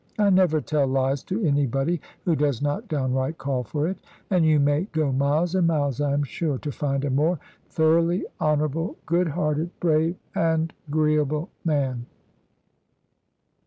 I never tell lies to anybody who does not downright call for it; and you may go miles and miles, I am sure, to find a more thoroughly honourable, good hearted, brave, and agreeable man.